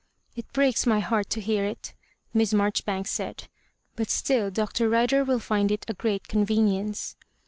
" It breaks my heart to hear it," Miss Marjoribanks said ;*' but still Br. Bider will find it a great convenience."